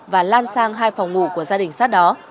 và lan sang hai phòng ngủ của gia đình sát đó